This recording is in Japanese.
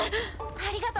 ありがと。